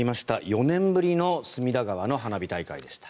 ４年ぶりの隅田川の花火大会でした。